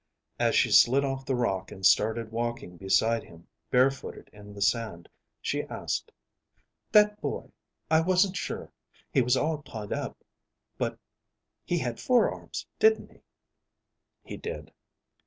As she slid off the rock and started walking beside him, barefooted in the sand, she asked, "That boy I wasn't sure, he was all tied up, but he had four arms, didn't he?" "He did."